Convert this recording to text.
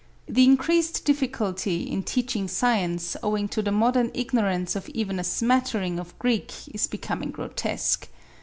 The increased difficulty in teaching science owing to the modern ignorance of even a smattering of Greek is becoming grotesque.